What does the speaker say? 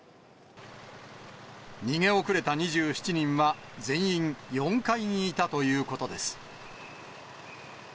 逃げ遅れた２７人は、全員、４階にいたということです。